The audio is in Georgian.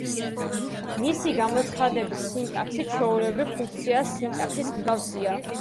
მისი გამოცხადების სინტაქსი ჩვეულებრივი ფუნქციის სინტაქსის მსგავსია.